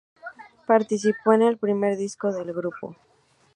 Participó en el primer disco del grupo.